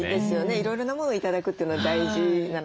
いろいろなものを頂くというのは大事なのかな。